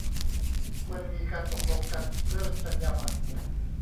ควรมีการตกลงกันเรื่องจรรยาบรรณ